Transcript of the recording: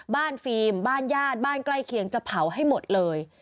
ฟิล์มบ้านญาติบ้านใกล้เคียงจะเผาให้หมดเลย